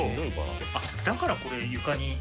あっだからこれ床に。